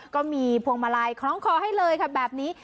พวงมาลัยคล้องคอให้เลยค่ะแบบนี้